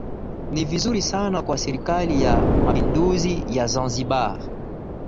Ni vizuri sana kwa Serikali ya Mapinduzi ya Zanzibar